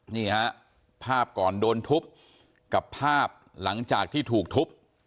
นี่ฮะภาพก่อนโดนทุบกับภาพหลังจากที่ถูกทุบ